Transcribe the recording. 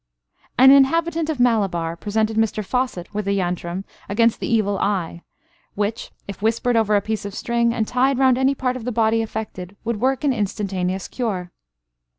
An inhabitant of Malabar presented Mr Fawcett with a yantram against the evil eye, which, if whispered over a piece of string, and tied round any part of the body affected, would work an instantaneous cure.